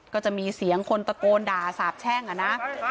ก็จะมีเสียงคนตะโกนด่าสาบแช่งอะนะ